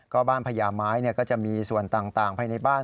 ก็บ้านพญาไม้เนี่ยก็จะมีส่วนต่างไปในบ้าน